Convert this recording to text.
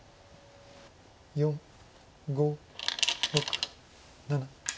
４５６７。